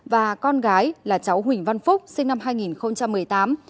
và con gái là cháu huỳnh văn phúc sinh năm hai nghìn một mươi tám